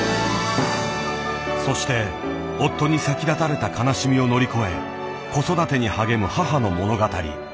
そして夫に先立たれた悲しみを乗り越え子育てに励む母の物語。